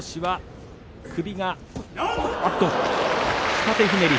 下手ひねり。